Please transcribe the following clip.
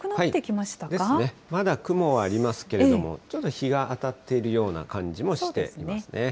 まだ雲はありますけれども、ちょっと日が当たっているような感じもしていますね。